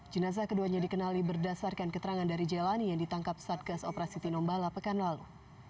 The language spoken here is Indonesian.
jenazah keduanya dikenali berdasarkan keterangan dari jelani yang ditangkap satgas operasi tinombala pekan lalu